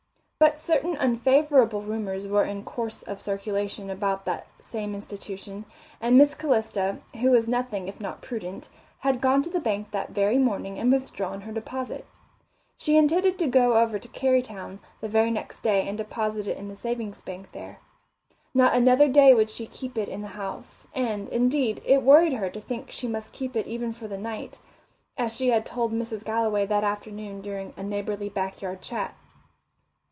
But certain unfavourable rumours were in course of circulation about that same institution, and Miss Calista, who was nothing if not prudent, had gone to the bank that very morning and withdrawn her deposit. She intended to go over to Kerrytown the very next day and deposit it in the Savings Bank there. Not another day would she keep it in the house, and, indeed, it worried her to think she must keep it even for the night, as she had told Mrs. Galloway that afternoon during a neighbourly back yard chat.